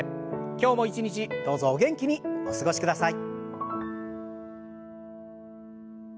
今日も一日どうぞお元気にお過ごしください。